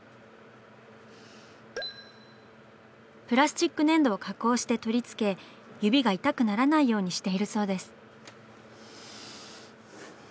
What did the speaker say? プラスチック粘土を加工して取り付け指が痛くならないようにしているそうです。